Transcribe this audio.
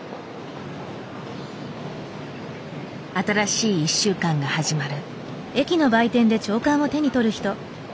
新しい１週間が始まる。